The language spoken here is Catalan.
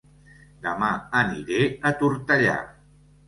Dema aniré a Tortellà